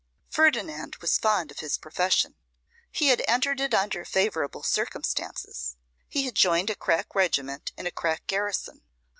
Ferdinand was fond of his profession. He had entered it under favourable circumstances. He had joined a crack regiment in a crack garrison.